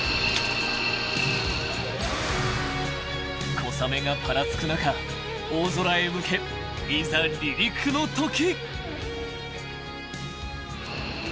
［小雨がぱらつく中大空へ向けいざ離陸のとき］